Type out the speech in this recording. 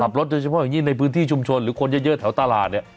โดยเฉพาะอย่างยิ่งในพื้นที่ชุมชนหรือคนเยอะแถวตลาดเนี่ย